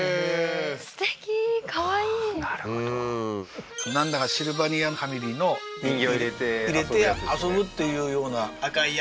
すてきかわいいなるほどなんだかシルバニアファミリーの遊ぶっていうような